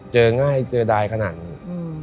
เจอง่ายเจอดายขนาดนี้